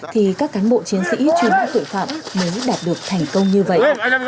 thì các cán bộ chiến sĩ truy bắt tội phạm mới đạt được thành công như vậy